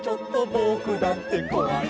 「ぼくだってこわいな」